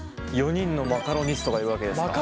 ４人のマカロニストがいるわけですか。